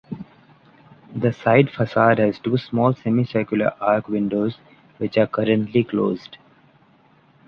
The side facade has two small semicircular arch windows, which are currently closed.